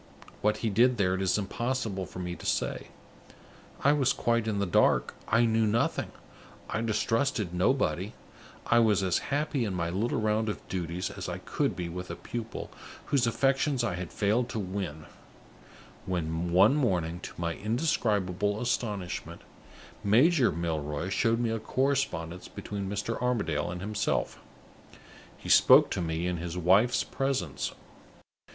What he did there, it is impossible for me to say. I was quite in the dark; I knew nothing: I distrusted nobody; I was as happy in my little round of duties as I could be with a pupil whose affections I had failed to win, when, one morning, to my indescribable astonishment, Major Milroy showed me a correspondence between Mr. Armadale and himself. He spoke to me in his wife's presence.